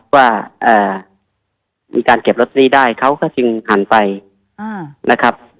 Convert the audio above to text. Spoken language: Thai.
ว่ามีการเก็บลอตเตอรี่ได้เขาก็จึงหันไปนะครับ